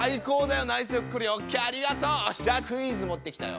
よしじゃあクイズ持ってきたよ。